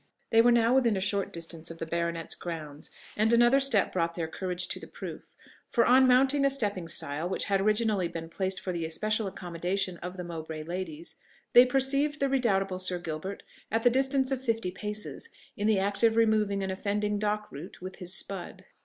They were now within a short distance of the baronet's grounds, and another step brought their courage to the proof; for on mounting a stepping stile which had originally been placed for the especial accommodation of the Mowbray ladies, they perceived the redoubtable Sir Gilbert at the distance of fifty paces, in the act of removing an offending dock root with his spud.